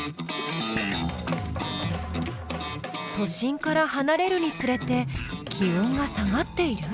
都心からはなれるにつれて気温が下がっている。